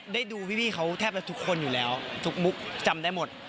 ได้ดูพี่เขาแทบจะทุกคนอยู่แล้วทุกมุกจำได้หมด